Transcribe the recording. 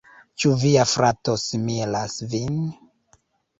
Ĉu via frato similas vin?